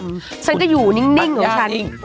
ฉันก็อยู่นิ่งนะฉัน